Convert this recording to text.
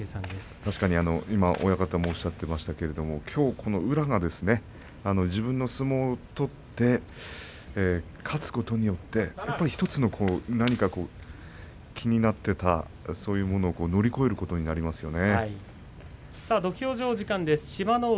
きょうは宇良が自分の相撲を取って勝つことによってひとつ気になっていたそういうものを乗り越えることになりますよね。